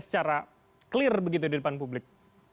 secara clear begitu di depan publik